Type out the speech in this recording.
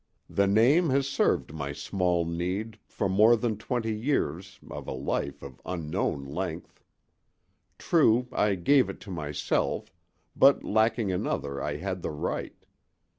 The name has served my small need for more than twenty years of a life of unknown length. True, I gave it to myself, but lacking another I had the right.